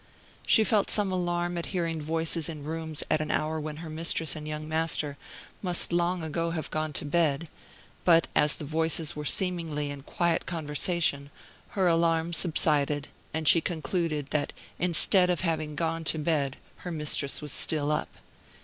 She felt some alarm at hearing voices in the rooms at an hour when her mistress and young master must long ago have gone to bed; but as the voices were seemingly in quiet conversation, her alarm subsided, and she concluded that instead of having gone to bed her mistress was still up.